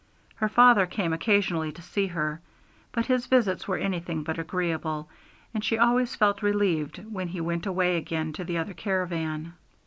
Her father came occasionally to see her; but his visits were anything but agreeable, and she always felt relieved when he went away again to the other caravan.